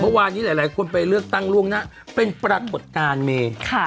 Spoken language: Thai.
เมื่อวานนี้หลายคนไปเลือกตั้งล่วงหน้าเป็นปรากฏการณ์เมย์